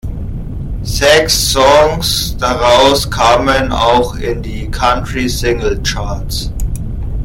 Sechs Songs daraus kamen auch in die Country-Single-Charts.